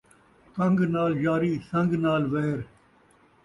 کن٘گ نال یاری ، سن٘ڳ نال ویر